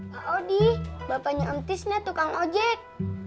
pak odeh bapaknya om tisnya tukang ojek